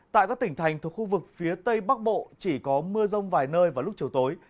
tại các tỉnh thành thuộc khu vực phía tây bắc bộ chỉ có mưa rông vài nơi vào lúc chiều tối